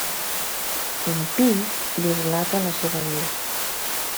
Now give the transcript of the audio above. En Pi li relata la seva vida.